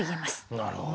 なるほど。